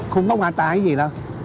không có hoa tai hay gì đâu